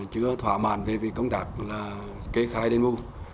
chưa thỏa màn về công tác kê khai đền bù